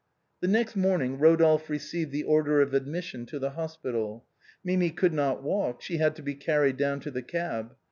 The next morning Eodolphe received the order of ad mission to the hospital. Mimi could not walk, she had to be carried down to the cab.